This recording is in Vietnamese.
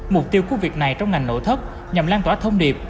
mục tiêu của việc này trong ngành nội thất nhằm lan tỏa thông điệp